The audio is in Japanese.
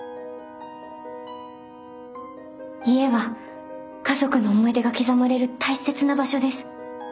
家は家族の思い出が刻まれる大切な場所です。